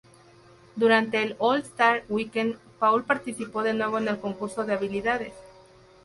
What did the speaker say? Durante el All-Star Weekend, Paul participó de nuevo en el Concurso de Habilidades.